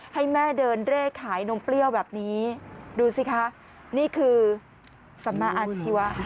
ให้แม่เดินเร่ขายนมเปรี้ยวแบบนี้ดูสิคะนี่คือสัมมาอาชีวะ